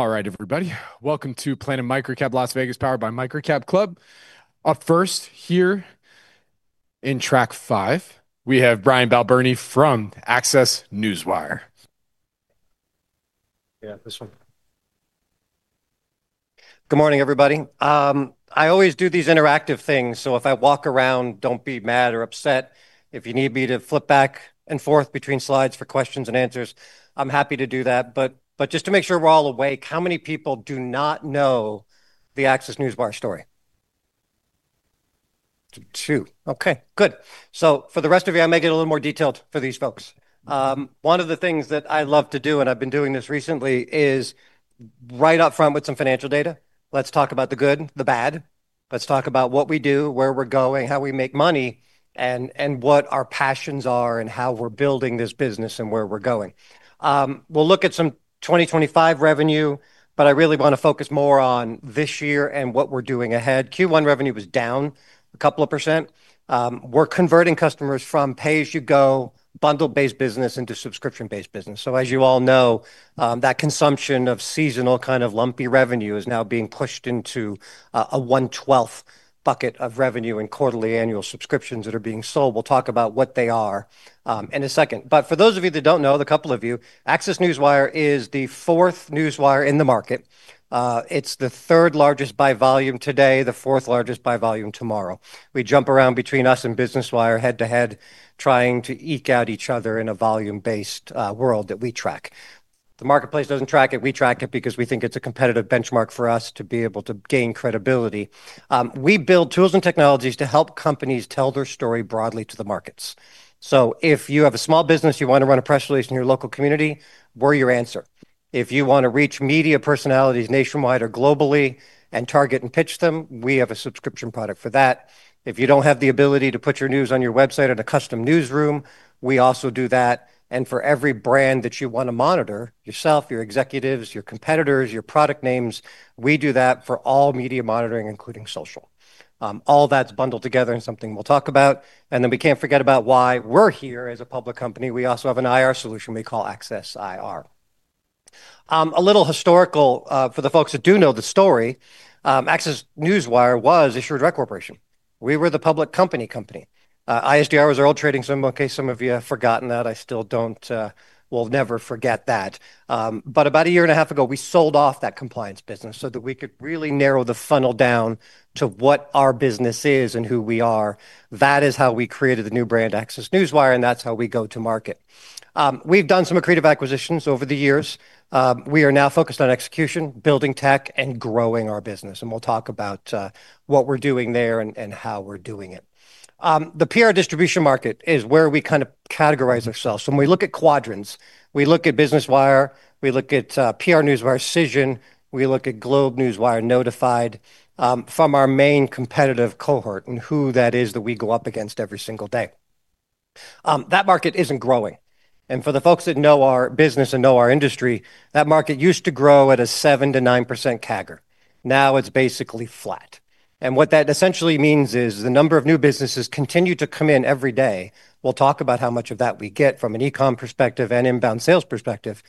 All right, everybody. Welcome to Planet MicroCap Las Vegas, powered by MicroCapClub. Up first, here in track 5, we have Brian Balbirnie from ACCESS Newswire. Yeah, this one. Good morning, everybody. I always do these interactive things. If I walk around, don't be mad or upset. If you need me to flip back and forth between slides for questions and answers, I'm happy to do that. Just to make sure we're all awake, how many people do not know the ACCESS Newswire story? Two. Okay, good. For the rest of you, I may get a little more detailed for these folks. One of the things that I love to do, and I've been doing this recently, is right up front with some financial data. Let's talk about the good, the bad. Let's talk about what we do, where we're going, how we make money, and what our passions are, and how we're building this business and where we're going. We'll look at some 2025 revenue, but I really want to focus more on this year and what we're doing ahead. Q1 revenue was down a couple of percent. We're converting customers from pay-as-you-go bundle-based business into subscription-based business. As you all know, that consumption of seasonal kind of lumpy revenue is now being pushed into a one-twelfth bucket of revenue in quarterly annual subscriptions that are being sold. We'll talk about what they are in a second. For those of you that don't know, the couple of you, ACCESS Newswire is the fourth newswire in the market. It's the third largest by volume today, the fourth largest by volume tomorrow. We jump around between us and Business Wire head to head, trying to eke out each other in a volume-based world that we track. The marketplace doesn't track it. We track it because we think it's a competitive benchmark for us to be able to gain credibility. We build tools and technologies to help companies tell their story broadly to the markets. If you have a small business, you want to run a press release in your local community, we're your answer. If you want to reach media personalities nationwide or globally and target and pitch them, we have a subscription product for that. If you don't have the ability to put your news on your website in a custom newsroom, we also do that. For every brand that you want to monitor, yourself, your executives, your competitors, your product names, we do that for all media monitoring, including social. All that's bundled together in something we'll talk about. We can't forget about why we're here as a public company. We also have an IR solution we call ACCESS IR. A little historical for the folks that do know the story. ACCESS Newswire Inc. was an issuing corporation. We were the public company. ISDR was our old trading symbol. In case some of you have forgotten that, I still don't will never forget that. About a year and a half ago, we sold off that compliance business so that we could really narrow the funnel down to what our business is and who we are. That is how we created the new brand, ACCESS Newswire, and that's how we go to market. We've done some accretive acquisitions over the years. We are now focused on execution, building tech, and growing our business. We'll talk about what we're doing there and how we're doing it. The PR distribution market is where we kind of categorize ourselves. When we look at quadrants, we look at Business Wire, we look at PR Newswire, Cision, we look at GlobeNewswire, Notified, from our main competitive cohort, and who that is that we go up against every single day. That market isn't growing. For the folks that know our business and know our industry, that market used to grow at a 7%-9% CAGR. Now it's basically flat. What that essentially means is the number of new businesses continue to come in every day. We'll talk about how much of that we get from an e-com perspective and inbound sales perspective.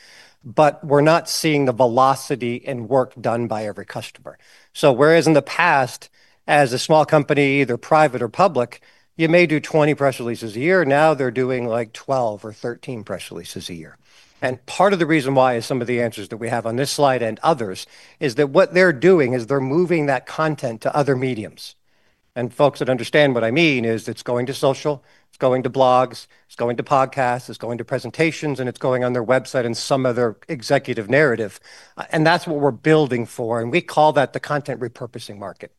We're not seeing the velocity and work done by every customer. Whereas in the past, as a small company, either private or public, you may do 20 press releases a year, now they're doing 12 or 13 press releases a year. Part of the reason why is some of the answers that we have on this slide and others is that what they're doing is they're moving that content to other mediums. Folks that understand what I mean is it's going to social, it's going to blogs, it's going to podcasts, it's going to presentations, and it's going on their website and some other executive narrative. That's what we're building for, and we call that the content repurposing market.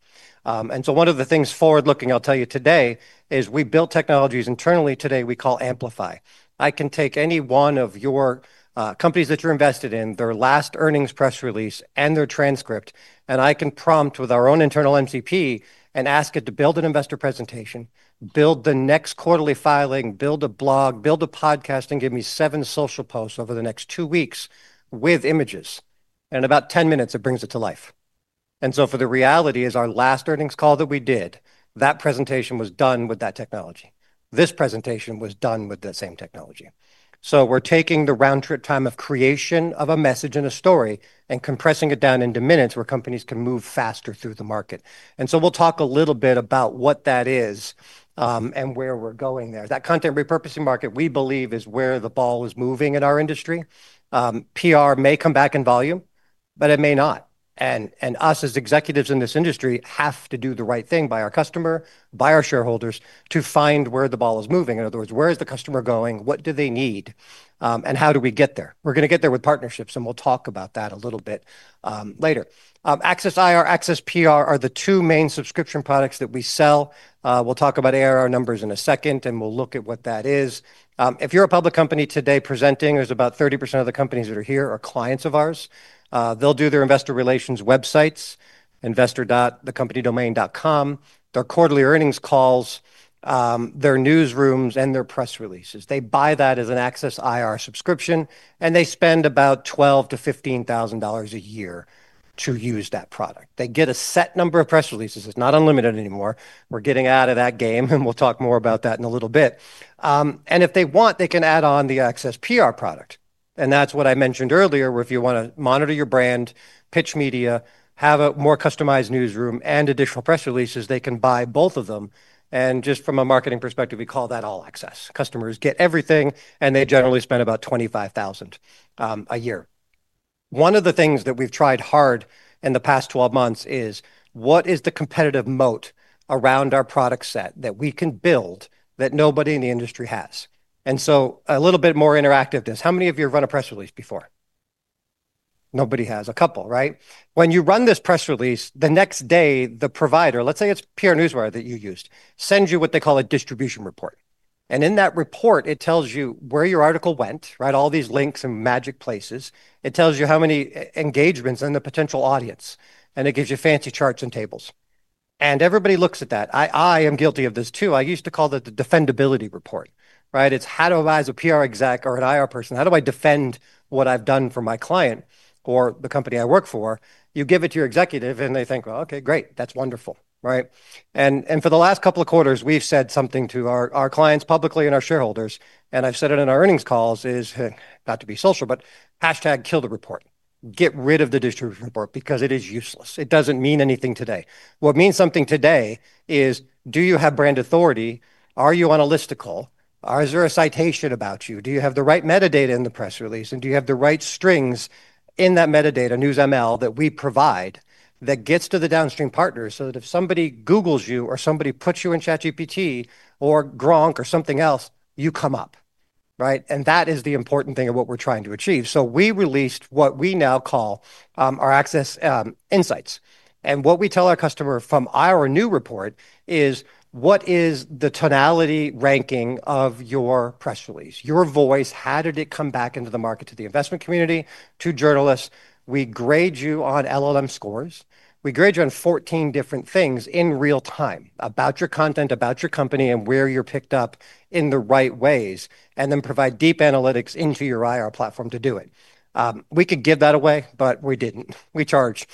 One of the things forward-looking I'll tell you today is we built technologies internally today we call Amplify. I can take any one of your companies that you're invested in, their last earnings press release, and their transcript, and I can prompt with our own internal MCP and ask it to build an investor presentation, build the next quarterly filing, build a blog, build a podcast, and give me seven social posts over the next two weeks with images. In about 10 minutes, it brings it to life. For the reality is our last earnings call that we did, that presentation was done with that technology. This presentation was done with the same technology. We're taking the round-trip time of creation of a message and a story and compressing it down into minutes where companies can move faster through the market. We'll talk a little bit about what that is and where we're going there. That content repurposing market, we believe is where the ball is moving in our industry. PR may come back in volume, but it may not. Us, as executives in this industry, have to do the right thing by our customer, by our shareholders, to find where the ball is moving. In other words, where is the customer going? What do they need? How do we get there? We're going to get there with partnerships, we'll talk about that a little bit later. ACCESS IR, ACCESS PR are the two main subscription products that we sell. We'll talk about ARR numbers in a second, and we'll look at what that is. If you're a public company today presenting, there's about 30% of the companies that are here are clients of ours. They'll do their investor relations websites, investor.thecompanydomain.com, their quarterly earnings calls, their newsrooms, and their press releases. They buy that as an ACCESS IR subscription, they spend about $12,000-$15,000 a year to use that product. They get a set number of press releases. It's not unlimited anymore. We're getting out of that game, we'll talk more about that in a little bit. If they want, they can add on the ACCESS PR product. That's what I mentioned earlier, where if you want to monitor your brand, pitch media, have a more customized newsroom and additional press releases, they can buy both of them. Just from a marketing perspective, we call that All Access. Customers get everything, and they generally spend about $25,000 a year. One of the things that we've tried hard in the past 12 months is, what is the competitive moat around our product set that we can build that nobody in the industry has? A little bit more interactiveness. How many of you have run a press release before? Nobody has. A couple, right? When you run this press release, the next day, the provider, let's say it's PR Newswire that you used, sends you what they call a distribution report. In that report, it tells you where your article went, right, all these links and magic places. It tells you how many engagements and the potential audience, it gives you fancy charts and tables. Everybody looks at that. I am guilty of this, too. I used to call it the defendability report, right? It's how do I, as a PR exec or an IR person, how do I defend what I've done for my client or the company I work for? You give it to your executive, they think, "Well, okay, great. That's wonderful," right? For the last couple of quarters, we've said something to our clients publicly and our shareholders, I've said it in our earnings calls, is, not to be social, but hashtag kill the report. Get rid of the distribution report because it is useless. It doesn't mean anything today. What means something today is do you have brand authority? Are you on a listicle? Is there a citation about you? Do you have the right metadata in the press release? Do you have the right strings in that metadata, NewsML, that we provide that gets to the downstream partners, so that if somebody Googles you or somebody puts you in ChatGPT or Grok or something else, you come up, right? That is the important thing of what we're trying to achieve. We released what we now call our ACCESS Insights. What we tell our customer from our new report is what is the tonality ranking of your press release, your voice, how did it come back into the market to the investment community, to journalists? We grade you on LLM scores. We grade you on 14 different things in real time about your content, about your company, and where you're picked up in the right ways, then provide deep analytics into your IR platform to do it. We could give that away, but we didn't. We charge.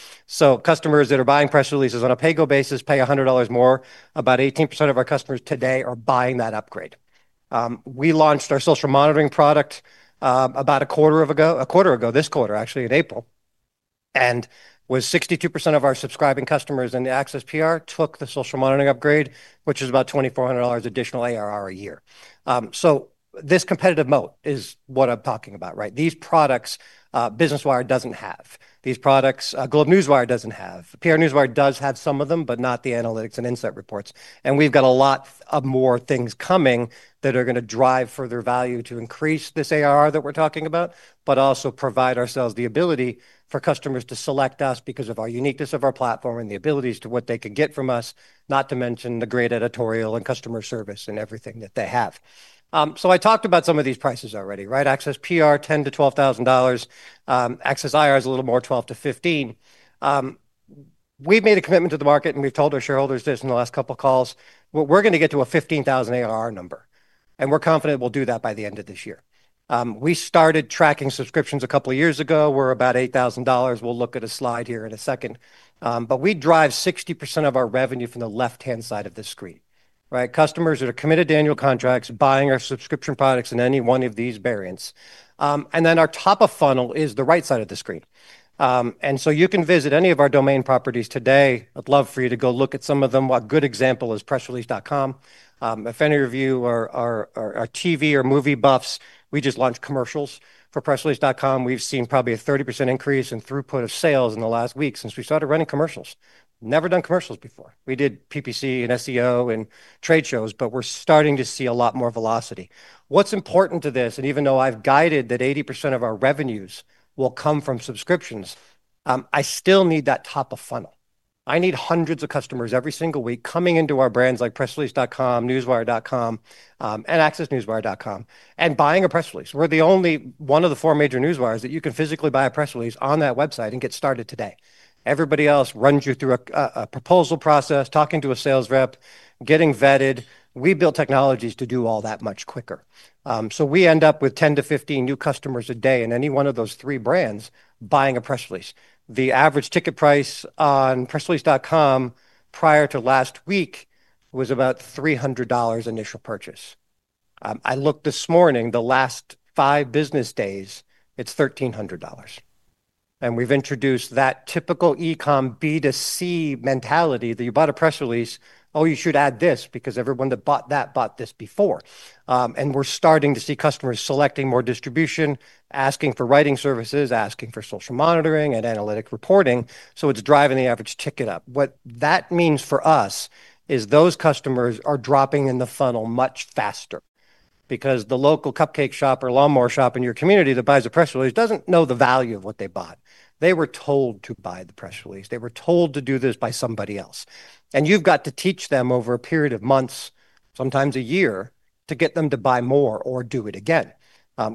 Customers that are buying press releases on a pay-go basis pay $100 more. About 18% of our customers today are buying that upgrade. We launched our social monitoring product about a quarter ago, this quarter, actually, in April, with 62% of our subscribing customers into ACCESS PR took the social monitoring upgrade, which is about $2,400 additional ARR a year. This competitive moat is what I'm talking about, right? These products, Business Wire doesn't have. These products, GlobeNewswire doesn't have. PR Newswire does have some of them, but not the analytics and insight reports. We've got a lot more things coming that are going to drive further value to increase this ARR that we're talking about, but also provide ourselves the ability for customers to select us because of our uniqueness of our platform and the abilities to what they can get from us, not to mention the great editorial and customer service and everything that they have. I talked about some of these prices already, right? ACCESS PR, $10,000-$12,000. ACCESS IR is a little more, $12,000-$15,000. We've made a commitment to the market, and we've told our shareholders this in the last couple of calls. We're going to get to a $15,000 ARR number, and we're confident we'll do that by the end of this year. We started tracking subscriptions a couple of years ago. We're about $8,000. We'll look at a slide here in a second. We drive 60% of our revenue from the left-hand side of the screen, right? Customers that are committed to annual contracts, buying our subscription products in any one of these variants. Our top of funnel is the right side of the screen. You can visit any of our domain properties today. I'd love for you to go look at some of them. A good example is pressrelease.com. If any of you are TV or movie buffs, we just launched commercials for pressrelease.com. We've seen probably a 30% increase in throughput of sales in the last week since we started running commercials. Never done commercials before. We did PPC and SEO and trade shows, but we're starting to see a lot more velocity. What's important to this, even though I've guided that 80% of our revenues will come from subscriptions, I still need that top of funnel. I need hundreds of customers every single week coming into our brands like pressrelease.com, newswire.com, and accessnewswire.com and buying a press release. We're the only one of the four major newswires that you can physically buy a press release on that website and get started today. Everybody else runs you through a proposal process, talking to a sales rep, getting vetted. We build technologies to do all that much quicker. We end up with 10-15 new customers a day in any one of those three brands buying a press release. The average ticket price on pressrelease.com prior to last week was about $300 initial purchase. I looked this morning, the last five business days, it's $1,300. We've introduced that typical e-com B2C mentality that you bought a press release, oh, you should add this because everyone that bought that bought this before. We're starting to see customers selecting more distribution, asking for writing services, asking for social monitoring and analytic reporting, so it's driving the average ticket up. What that means for us is those customers are dropping in the funnel much faster because the local cupcake shop or lawnmower shop in your community that buys a press release doesn't know the value of what they bought. They were told to buy the press release. They were told to do this by somebody else. You've got to teach them over a period of months, sometimes a year, to get them to buy more or do it again.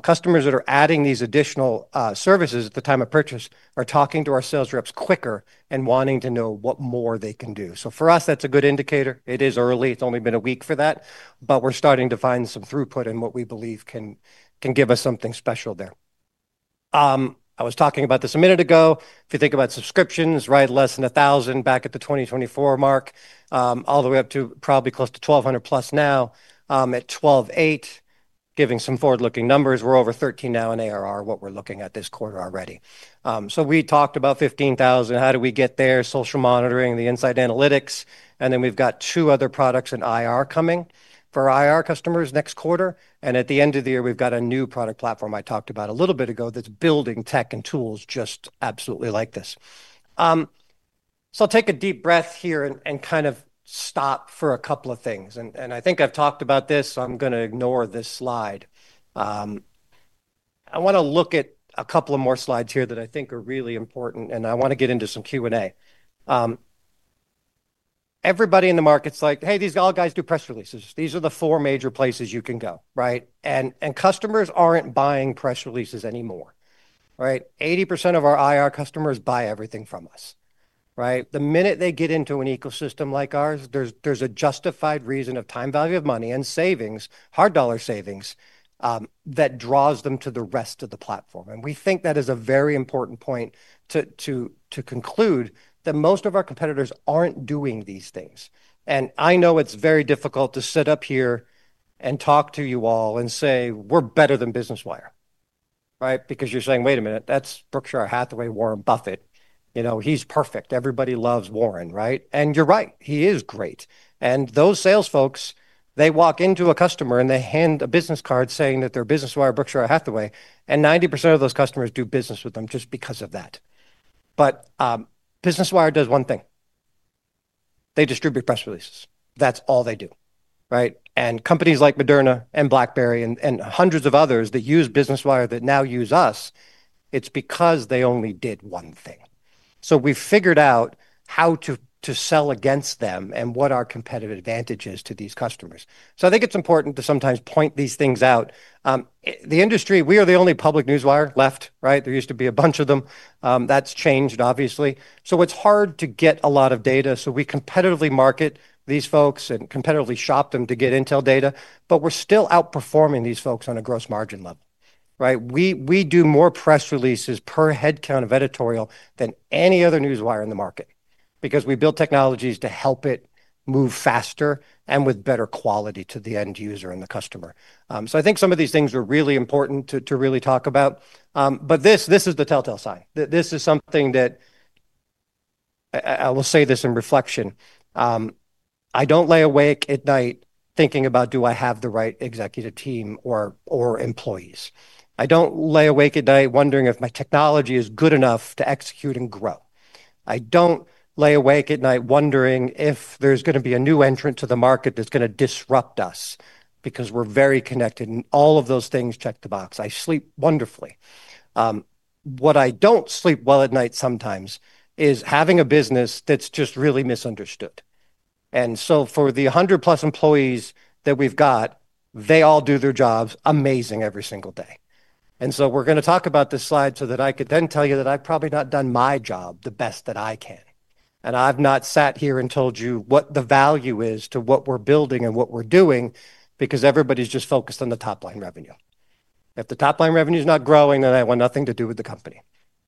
Customers that are adding these additional services at the time of purchase are talking to our sales reps quicker and wanting to know what more they can do. For us, that's a good indicator. It is early. It's only been a week for that. We're starting to find some throughput in what we believe can give us something special there. I was talking about this a minute ago. If you think about subscriptions, less than 1,000 back at the 2024 mark, all the way up to probably close to 1,200+ now, at $12.8, giving some forward-looking numbers. We're over $13 now in ARR, what we're looking at this quarter already. We talked about 15,000. How do we get there? Social monitoring, the ACCESS Insights & Analytics, then we've got two other products in IR coming for IR customers next quarter. At the end of the year, we've got a new product platform I talked about a little bit ago that's building tech and tools just absolutely like this. I'll take a deep breath here and kind of stop for a couple of things. I think I've talked about this, so I'm going to ignore this slide. I want to look at a couple of more slides here that I think are really important, and I want to get into some Q&A. Everybody in the market's like, "Hey, these all guys do press releases." These are the four major places you can go. Customers aren't buying press releases anymore. 80% of our IR customers buy everything from us. The minute they get into an ecosystem like ours, there's a justified reason of time, value of money, and savings, hard dollar savings, that draws them to the rest of the platform. We think that is a very important point to conclude that most of our competitors aren't doing these things. I know it's very difficult to sit up here and talk to you all and say we're better than Business Wire. You're saying, "Wait a minute, that's Berkshire Hathaway, Warren Buffett. He's perfect. Everybody loves Warren." You're right, he is great. Those sales folks, they walk into a customer, and they hand a business card saying that they're Business Wire, Berkshire Hathaway, and 90% of those customers do business with them just because of that. Business Wire does one thing. They distribute press releases. That's all they do. Companies like Moderna and BlackBerry and hundreds of others that use Business Wire that now use us, it's because they only did one thing. We've figured out how to sell against them and what our competitive advantage is to these customers. I think it's important to sometimes point these things out. The industry, we are the only public Newswire left. There used to be a bunch of them. That's changed, obviously. It's hard to get a lot of data, so we competitively market these folks and competitively shop them to get intel data, but we're still outperforming these folks on a gross margin level. We do more press releases per head count of editorial than any other Newswire in the market because we build technologies to help it move faster and with better quality to the end user and the customer. I think some of these things are really important to really talk about. This is the telltale sign. I will say this in reflection. I don't lay awake at night thinking about, do I have the right executive team or employees? I don't lay awake at night wondering if my technology is good enough to execute and grow. I don't lay awake at night wondering if there's going to be a new entrant to the market that's going to disrupt us because we're very connected, and all of those things check the box. I sleep wonderfully. What I don't sleep well at night sometimes is having a business that's just really misunderstood. For the 100+ employees that we've got, they all do their jobs amazing every single day. We're going to talk about this slide so that I could then tell you that I've probably not done my job the best that I can. I've not sat here and told you what the value is to what we're building and what we're doing because everybody's just focused on the top-line revenue. If the top-line revenue's not growing, I want nothing to do with the company,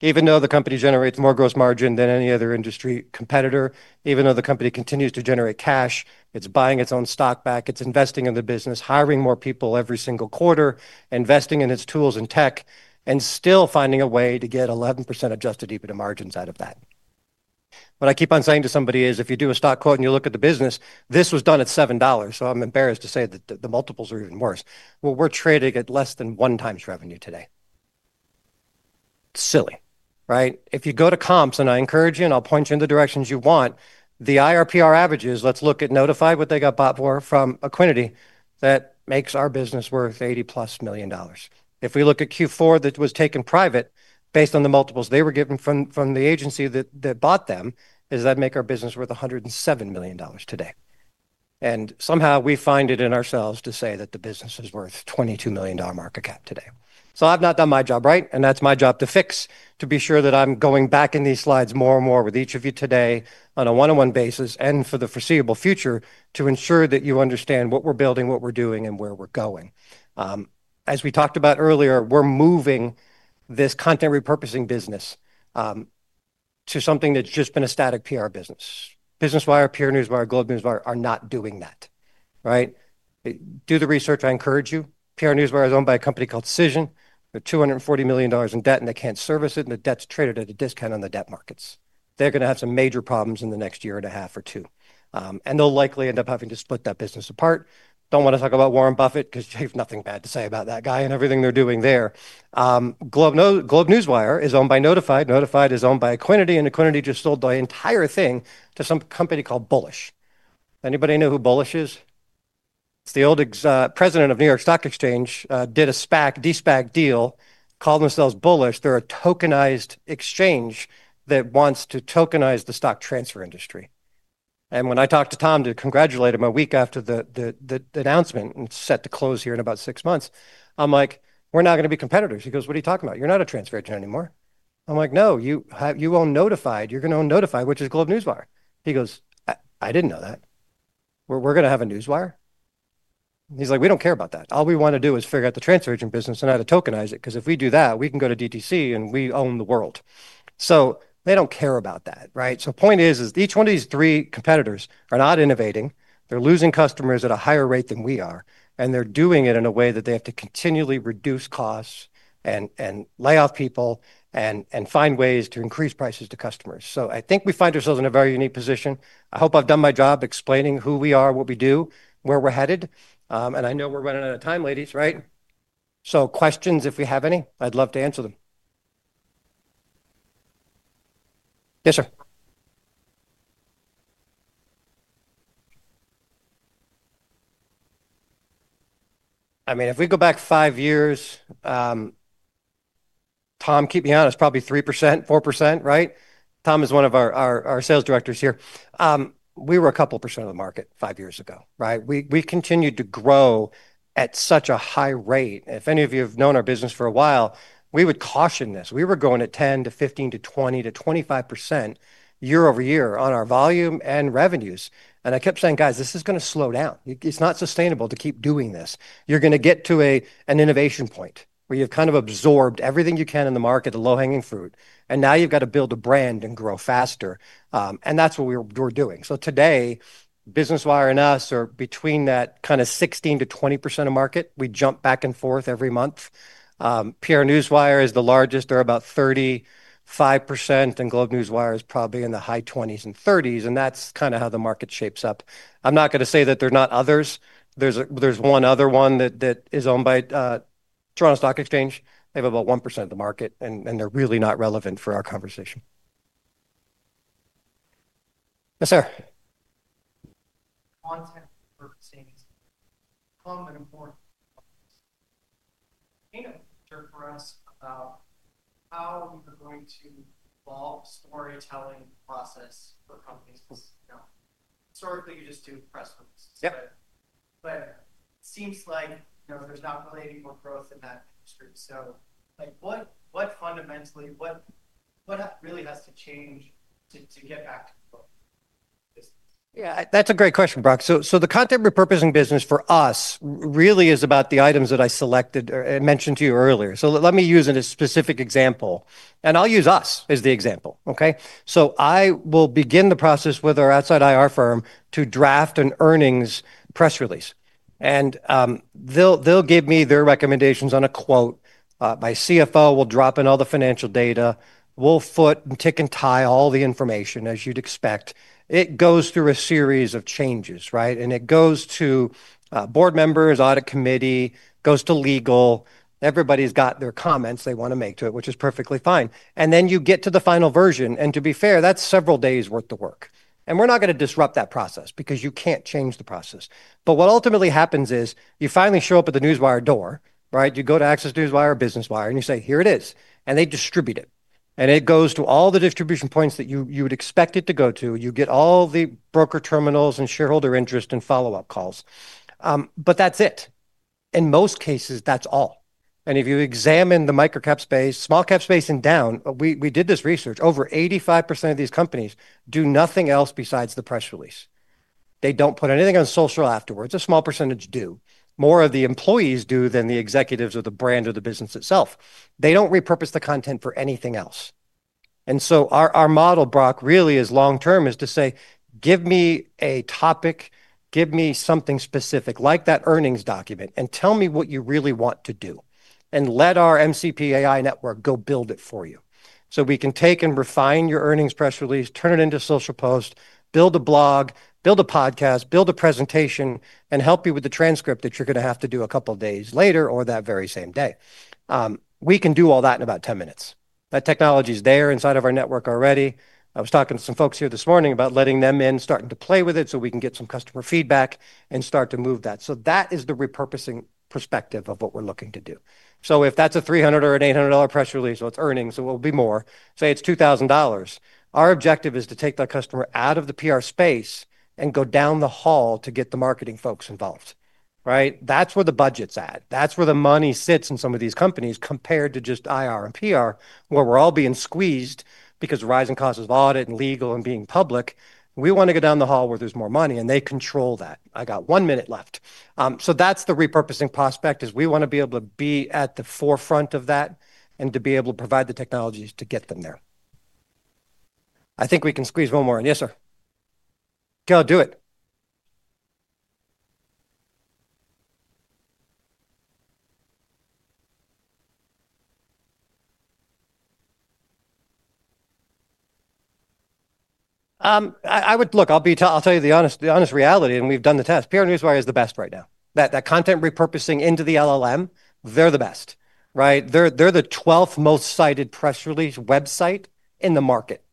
even though the company generates more gross margin than any other industry competitor, even though the company continues to generate cash, it's buying its own stock back, it's investing in the business, hiring more people every single quarter, investing in its tools and tech, and still finding a way to get 11% adjusted EBITDA margins out of that. What I keep on saying to somebody is, if you do a stock quote and you look at the business, this was done at $7. I'm embarrassed to say that the multiples are even worse. We're trading at less than one times revenue today. It's silly. If you go to comps, and I encourage you, and I'll point you in the directions you want, the IR/PR averages, let's look at Notified, what they got bought for from Equiniti. That makes our business worth $80+ million. If we look at Q4 that was taken private based on the multiples they were given from the agency that bought them is that make our business worth $107 million today. Somehow we find it in ourselves to say that the business is worth $22 million market cap today. I've not done my job right, and that's my job to fix, to be sure that I'm going back in these slides more and more with each of you today on a one-on-one basis and for the foreseeable future to ensure that you understand what we're building, what we're doing, and where we're going. As we talked about earlier, we're moving this content repurposing business to something that's just been a static PR business. Business Wire, PR Newswire, GlobeNewswire are not doing that. Do the research, I encourage you. PR Newswire is owned by a company called Cision. They're $240 million in debt, and they can't service it, and the debt's traded at a discount on the debt markets. They're going to have some major problems in the next year and a half or two. They'll likely end up having to split that business apart. Don't want to talk about Warren Buffett because you have nothing bad to say about that guy and everything they're doing there. GlobeNewswire is owned by Notified. Notified is owned by Equiniti, and Equiniti just sold the entire thing to some company called Bullish. Anybody know who Bullish is? It's the old president of New York Stock Exchange, did a SPAC, De-SPAC deal, called themselves Bullish. They're a tokenized exchange that wants to tokenize the stock transfer industry. When I talked to Tom to congratulate him a week after the announcement and set to close here in about six months, I'm like, "We're now going to be competitors." He goes, "What are you talking about? You're not a transfer agent anymore." I'm like, "No, you own Notified. You're going to own Notified, which is GlobeNewswire." He goes, "I didn't know that. We're going to have a Newswire?" He's like, "We don't care about that. All we want to do is figure out the transfer agent business and how to tokenize it, because if we do that, we can go to DTC, and we own the world." They don't care about that. Right? Point is, each one of these three competitors are not innovating, they're losing customers at a higher rate than we are, and they're doing it in a way that they have to continually reduce costs and lay off people and find ways to increase prices to customers. I think we find ourselves in a very unique position. I hope I've done my job explaining who we are, what we do, where we're headed. I know we're running out of time, ladies, right? Questions, if we have any, I'd love to answer them. Yes, sir. If we go back five years, Tom, keep me honest, probably 3%, 4%, right? Tom is one of our sales directors here. We were a couple percent of the market five years ago, right? We continued to grow at such a high rate. If any of you have known our business for a while, we would caution this. We were growing at 10%-15%-20%-25% year-over-year on our volume and revenues. I kept saying, "Guys, this is going to slow down. It's not sustainable to keep doing this. You're going to get to an innovation point where you've kind of absorbed everything you can in the market, the low-hanging fruit, and now you've got to build a brand and grow faster." That's what we're doing. Today, Business Wire and us are between that kind of 16%-20% of market. We jump back and forth every month. PR Newswire is the largest. They're about 35%. GlobeNewswire is probably in the high 20s and 30s, that's kind of how the market shapes up. I'm not going to say that there are not others. There's one other one that is owned by Toronto Stock Exchange. They have about 1% of the market, they're really not relevant for our conversation. Yes, sir. Content repurposing is becoming an important focus. Can you picture for us about how you are going to evolve storytelling process for companies? Historically, you just do press releases. Yep. It seems like there's not really any more growth in that industry. What really has to change to get back to growth? That's a great question, Brock. The content repurposing business for us really is about the items that I selected or mentioned to you earlier. Let me use a specific example, I'll use us as the example. Okay? I will begin the process with our outside IR firm to draft an earnings press release. They'll give me their recommendations on a quote. My CFO will drop in all the financial data. We'll foot and tick and tie all the information, as you'd expect. It goes through a series of changes, right? It goes to board members, audit committee, goes to legal. Everybody's got their comments they want to make to it, which is perfectly fine. Then you get to the final version, to be fair, that's several days worth of work. We're not going to disrupt that process because you can't change the process. What ultimately happens is you finally show up at the Newswire door, right? You go to ACCESS Newswire or Business Wire, and you say: "Here it is." They distribute it, and it goes to all the distribution points that you would expect it to go to. You get all the broker terminals and shareholder interest and follow-up calls. That's it. In most cases, that's all. If you examine the microcap space, small cap space and down, we did this research. Over 85% of these companies do nothing else besides the press release. They don't put anything on social afterwards. A small percentage do. More of the employees do than the executives of the brand or the business itself. They don't repurpose the content for anything else. Our model, Brock, really as long-term, is to say: "Give me a topic, give me something specific, like that earnings document, and tell me what you really want to do. Let our MCP AI network go build it for you." We can take and refine your earnings press release, turn it into a social post, build a blog, build a podcast, build a presentation, and help you with the transcript that you're going to have to do a couple of days later or that very same day. We can do all that in about 10 minutes. That technology's there inside of our network already. I was talking to some folks here this morning about letting them in, starting to play with it so we can get some customer feedback and start to move that. That is the repurposing perspective of what we're looking to do. If that's a $300 or an $800 press release, so it's earnings, it will be more, say it's $2,000, our objective is to take that customer out of the PR space and go down the hall to get the marketing folks involved. Right? That's where the budget's at. That's where the money sits in some of these companies compared to just IR and PR, where we're all being squeezed because of rising costs of audit and legal and being public. We want to go down the hall where there's more money, and they control that. I got one minute left. That's the repurposing prospect, is we want to be able to be at the forefront of that and to be able to provide the technologies to get them there. I think we can squeeze one more in. Yes, sir. Go, do it. Look, I'll tell you the honest reality, we've done the test. PR Newswire is the best right now. That content repurposing into the LLM, they're the best. Right? They're the 12th most cited press release website in the market.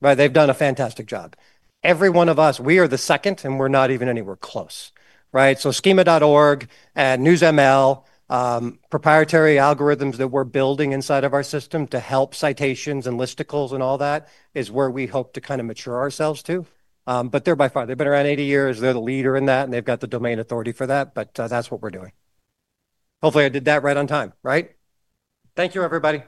Right? They've done a fantastic job. Every one of us, we are the second, and we're not even anywhere close. Right? Schema.org and NewsML, proprietary algorithms that we're building inside of our system to help citations and listicles and all that is where we hope to kind of mature ourselves to. They're by far, they've been around 80 years. They're the leader in that, and they've got the domain authority for that, but that's what we're doing. Hopefully, I did that right on time. Right? Thank you, everybody.